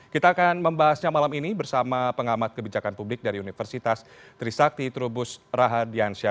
kita akan membahasnya malam ini bersama pengamat kebijakan publik dari universitas trisakti trubus rahadiansyah